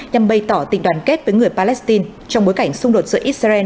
nhằm bày tỏ tình đoàn kết với người palestine trong bối cảnh xung đột giữa israel